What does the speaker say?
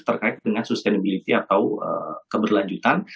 terkait dengan sustainability atau keberlanjutan